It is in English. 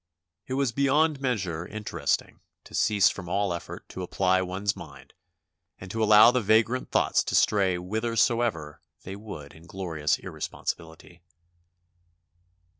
It was beyond measure interesting to cease from all effort to apply one's mind and to allow the vagrant thoughts to stray whithersoever they would in glorious irresponsibility.